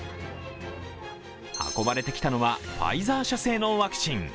運ばれてきたのはファイザー社製のワクチン。